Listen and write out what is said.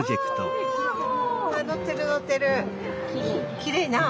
きれいなあ。